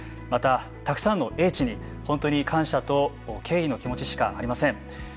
また、たくさんの英知に本当に感謝と敬意の気持ちしかありません。